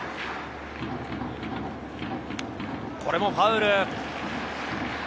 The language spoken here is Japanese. これもファウル。